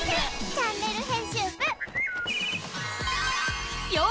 チャンネル編集部へ！